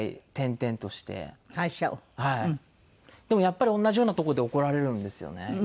でもやっぱり同じようなとこで怒られるんですよね。